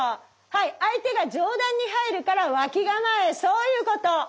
はい相手が上段に入るから脇構えそういうこと。